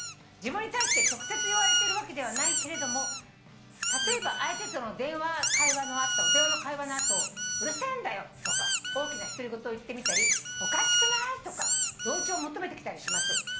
「自分に対して直接言われているわけではないけれども例えば相手との電話の会話のあと『うるせえんだよ』とか大きな独り言を言ってみたり『おかしくない？』とか同調を求めてきたりします」